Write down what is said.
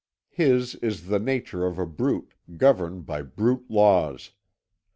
His is the nature of a brute, governed by brute laws.